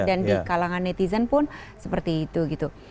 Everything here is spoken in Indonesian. dan di kalangan netizen pun seperti itu gitu